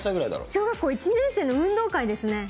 小学校１年生の運動会ですね。